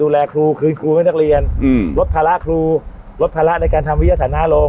ดูแลครูคืนครูให้นักเรียนลดภาระครูลดภาระในการทำวิทยาฐานะโรง